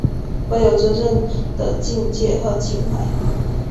我有责任的境界和情怀